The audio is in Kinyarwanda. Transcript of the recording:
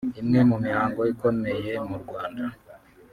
imwe mu mihango ikomeyemu rwanda